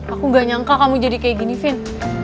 aku gak nyangka kamu jadi kayak gini fin